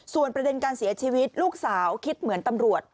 ส่วนประเด็นการเสียชีวิตลูกสาวคิดเหมือนตำรวจ